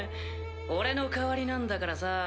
俺の代わりなんだからさ